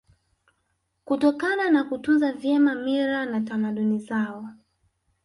Kutokana na kutunza vyema mila na tamaduni zao